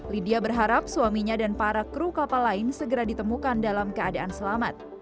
lydia berharap suaminya dan para kru kapal lain segera ditemukan dalam keadaan selamat